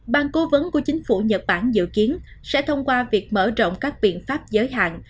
bang cố vấn của chính phủ nhật bản dự kiến sẽ thông qua việc mở rộng các biện pháp giới hạn